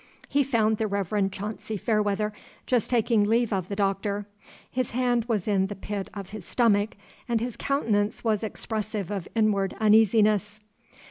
He found the Reverend Chauncy Fairweather just taking leave of the Doctor. His hand was on the pit of his stomach, and his countenance was expressive of inward uneasiness.